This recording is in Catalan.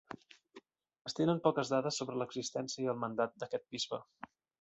Es tenen poques dades sobre l'existència i el mandat d'aquest bisbe.